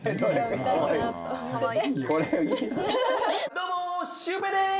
どうもシュウペイです。